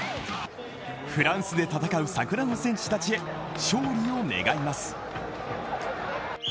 フランスで戦う桜の戦士たちへ勝利を願います